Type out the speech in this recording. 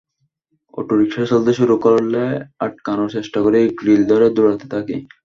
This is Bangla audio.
অটোরিকশা চলতে শুরু করলে আটকানোর চেষ্টা করি, গ্রিল ধরে দৌড়াতে থাকি।